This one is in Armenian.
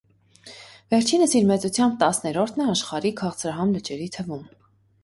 Վերջինս իր մեծությամբ տասներորդն է աշխարհի քաղցրահամ լճերի թվում։